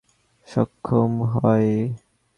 তিনি সাম্রাজ্যকে ঐক্যবদ্ধ করতে সক্ষম হন।